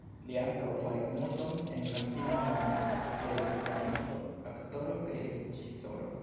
Li ankaŭ faris multon en la filma mondo kiel scenaristo, aktoro kaj reĝisoro.